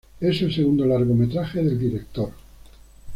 Es el segundo largometraje del director.